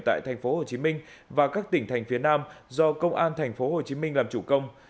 tại tp hcm và các tỉnh thành phía nam do công an tp hcm làm chủ công